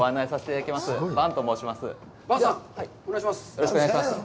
よろしくお願いします。